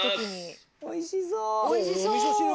おいしそう！